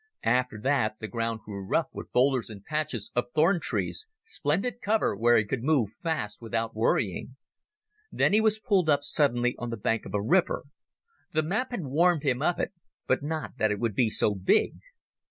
After that the ground grew rough with boulders and patches of thorn trees, splendid cover where he could move fast without worrying. Then he was pulled up suddenly on the bank of a river. The map had warned him of it, but not that it would be so big.